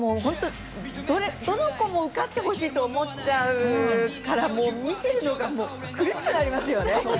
どの子も受かってほしいと思っちゃうから、見ているのが本当に苦しくなりますよね。